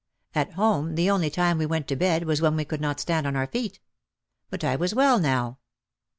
At home the only time we went to bed was when we could not stand on our feet. But I was well now.